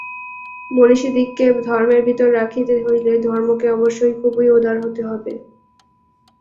মনীষিদিগকে ধর্মের ভিতর রাখিতে হইলে ধর্মকে অবশ্য খুব উদার হইতে হইবে।